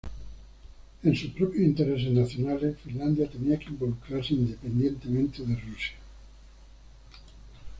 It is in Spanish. En sus propios intereses nacionales, Finlandia tenía que involucrarse, independientemente de Rusia.